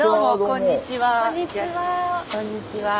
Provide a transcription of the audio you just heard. こんにちは。